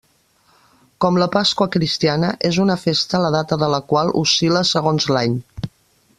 Com la Pasqua cristiana, és una festa la data de la qual oscil·la segons l'any.